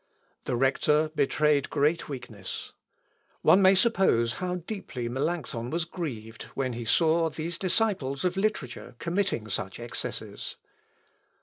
The Rector betrayed great weakness. One may suppose how deeply Melancthon was grieved when he saw these disciples of literature committing such excesses.